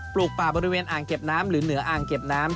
ลูกป่าบริเวณอ่างเก็บน้ำหรือเหนืออ่างเก็บน้ำ